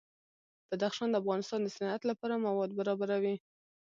بدخشان د افغانستان د صنعت لپاره مواد برابروي.